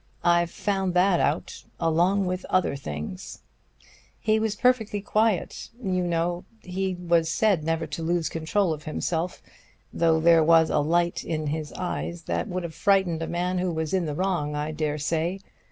I've found that out, along with other things.' He was perfectly quiet you know he was said never to lose control of himself though there was a light in his eyes that would have frightened a man who was in the wrong, I dare say.